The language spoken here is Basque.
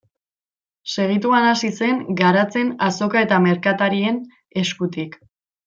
Segituan hasi zen garatzen azoka eta merkatarien eskutik.